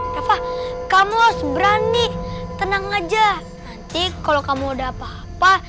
dava kamu harus berani tenang aja nanti kalau kamu ada apa apa